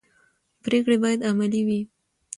پرېکړې باید عملي وي